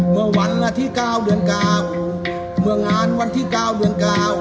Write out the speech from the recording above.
เมื่อวันละที่เก้าเดือนเก้าเมื่องานวันที่เก้าเดือนเก้า